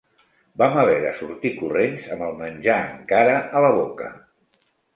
Vam haver de sortir corrents amb el menjar encara a la boca.